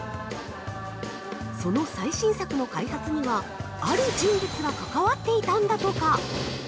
その最新作の開発には、ある人物が関わっていたんだとか。